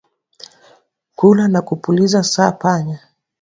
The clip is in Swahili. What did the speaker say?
Kula na kupuliza sa panya